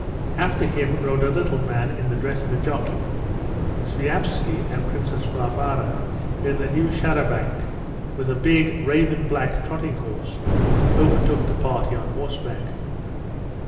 After him rode a little man in the dress of a jockey. Sviazhsky and Princess Varvara in a new char à banc with a big, raven black trotting horse, overtook the party on horseback.